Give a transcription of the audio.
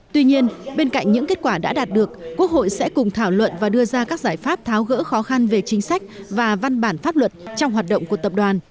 tuy nhiên bên cạnh những kết quả đã đạt được quốc hội sẽ cùng thảo luận và đưa ra các giải pháp tháo gỡ khó khăn về chính sách và văn bản pháp luật trong hoạt động của tập đoàn